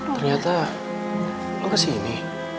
ternyata lu gak sih ini